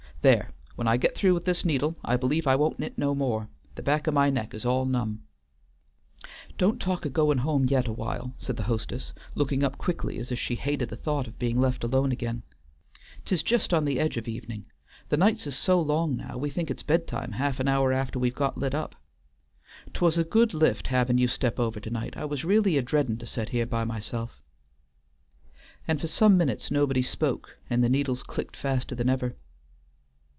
"There! when I get through with this needle I believe I won't knit no more. The back o' my neck is all numb." "Don't talk o' goin' home yet awhile," said the hostess, looking up quickly as if she hated the thought of being left alone again. "'T is just on the edge of the evenin'; the nights is so long now we think it's bedtime half an hour after we've got lit up. 'T was a good lift havin' you step over to night. I was really a dreadin' to set here by myself," and for some minutes nobody spoke and the needles clicked faster than ever.